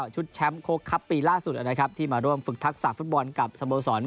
ชุดแชมป์โค้กครับปีล่าสุดนะครับที่มาร่วมฝึกทักษะฟุตบอลกับสโมสร